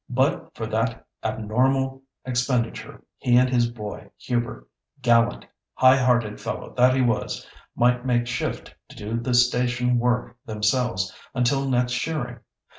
But for that abnormal expenditure, he and his boy Hubert, gallant, high hearted fellow that he was, might make shift to do the station work themselves until next shearing.